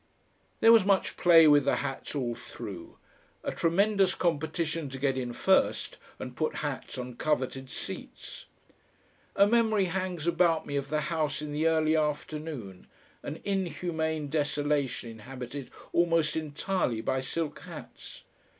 There was much play with the hats all through; a tremendous competition to get in first and put hats on coveted seats. A memory hangs about me of the House in the early afternoon, an inhumane desolation inhabited almost entirely by silk hats.